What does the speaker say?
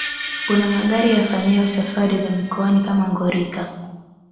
Kuna magari yafanyayo safari za mikoani kama Ngorika